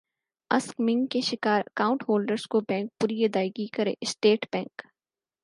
skimming کے شکار account holders کو بینک پوری ادائیگی کرے اسٹیٹ بینک